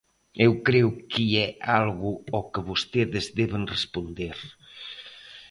Eu creo que é algo ao que vostedes deben responder.